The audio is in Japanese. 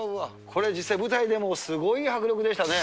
これ、実際に舞台でもすごい迫力でしたね。